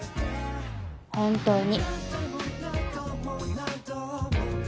本当に。